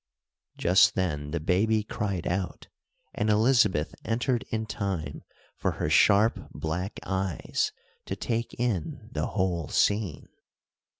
Just then the baby cried out, and Elizabeth entered in time for her sharp, black eyes to take in the whole scene.